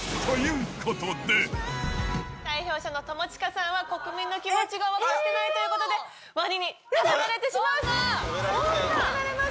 代表者の友近さんは、国民の気持ちが分かってないということで、ワニに食べられてしまいます。